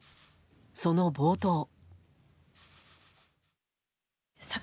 その冒頭。